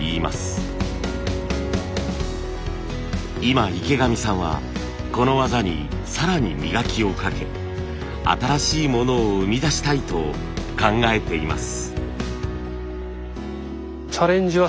今池上さんはこの技に更に磨きをかけ新しいものを生み出したいと考えています。